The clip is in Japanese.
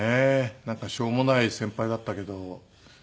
なんかしょうもない先輩だったけど。